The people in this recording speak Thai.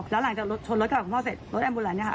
แล้วหลังจากรถชนรถกระบะของพ่อเสร็จรถแมนเนี่ยค่ะ